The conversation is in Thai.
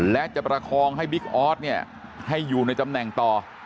และจะประคองให้บิ๊กออสเนี่ยให้อยู่ในตำแหน่งต่อ